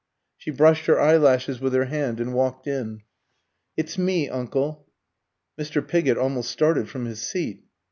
She brushed her eyelashes with her hand and walked in. "It's me, uncle." Mr. Pigott almost started from his seat.